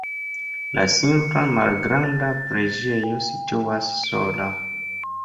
La simpla malgranda preĝejo situas sola.